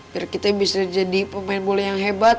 biar kita bisa jadi pemain bola yang hebat